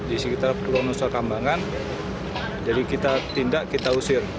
di sekitar pulau nusa kambangan jadi kita tindak kita usir